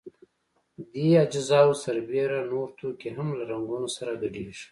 دې اجزاوو سربېره نور توکي هم له رنګونو سره ګډیږي.